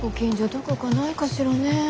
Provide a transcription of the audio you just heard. どこかないかしらねぇ。